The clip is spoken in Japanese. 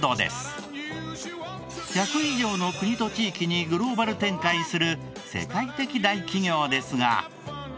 １００以上の国と地域にグローバル展開する世界的大企業ですが。